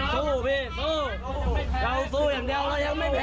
สู้พี่สู้เราสู้อย่างเดียวเรายังไม่แพ้